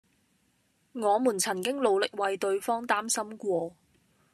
我們曾經努力為對方擔心過